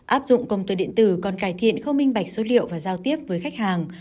áp dụng công tơ điện tử còn cải thiện không minh bạch số liệu và giao tiếp với khách hàng